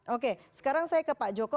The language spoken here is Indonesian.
oke sekarang saya ke pak joko